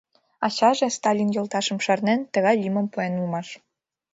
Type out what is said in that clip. Ачаже, Сталин йолташым шарнен, тыгай лӱмым пуэн улмаш.